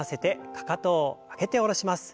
かかとを上げて下ろします。